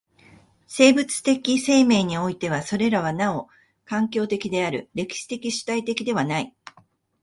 生物的生命においてはそれはなお環境的である、歴史的主体的ではない。